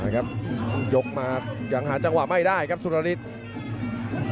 ครับยกมาอย่างหาจังหวะไม่ได้ครับสุริธริย์